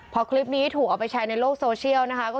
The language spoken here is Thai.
พอคลิปนี้ถูกเอาไปแชร์ในโลกโซเชียลนะคะ